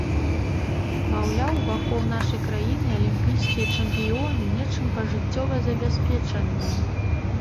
Маўляў, вакол нашай краіны алімпійскія чэмпіёны нечым пажыццёва забяспечаныя.